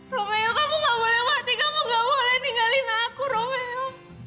romeo kamu gak boleh mati kamu gak boleh ninggalin aku romeo